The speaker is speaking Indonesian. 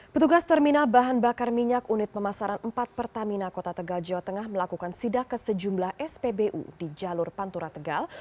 petugas terminal bahan bakar minyak unit pemasaran empat pertamina kota tegal jawa tengah melakukan sidak ke sejumlah spbu di jalur pantura tegal